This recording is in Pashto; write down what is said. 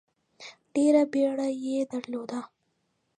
ډېره بیړه یې درلوده.